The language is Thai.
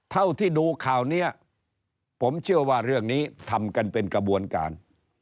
เท่าที่ดูข่าวนี้ผมเชื่อว่าเรื่องนี้ทำกันเป็นกระบวนการ